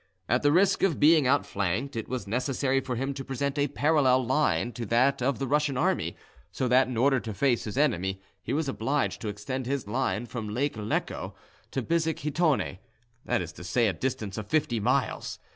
At the risk of being out flanked, it was necessary for him to present a parallel line to that of the Russian army, so that, in order to face his enemy, he was obliged to extend his line from Lake Lecco to Pizzighitone—that is to say, a distance of fifty miles.